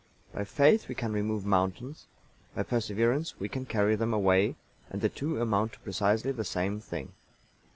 By faith we can remove mountains, by perseverance we can carry them away, and the two amount to precisely the same thing.